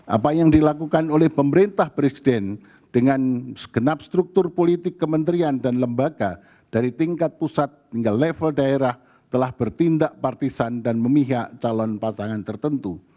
apa yang dilakukan oleh pemerintah presiden dengan segenap struktur politik kementerian dan lembaga dari tingkat pusat hingga level daerah telah bertindak partisan dan memihak calon pasangan tertentu